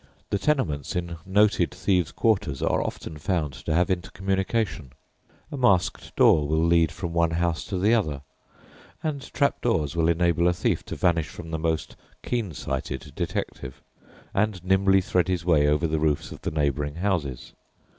The tenements in noted thieves' quarters are often found to have intercommunication; a masked door will lead from one house to the other, and trap doors will enable a thief to vanish from the most keen sighted detective, and nimbly thread his way over the roofs of the neighbouring houses.